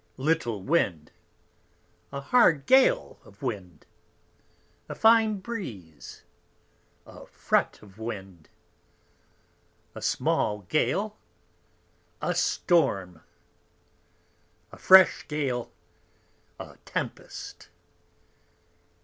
_ Little Wind. | A hard Gale of Wind. A fine Breeze. | A Fret of Wind. A small Gale. | A Storm. A fresh Gale. | _A Tempest.